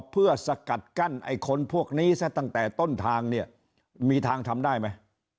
เพื่อสกัดกั้นไอ้คนพวกนี้ซะตั้งแต่ต้นทางเนี่ยมีทางทำได้ไหม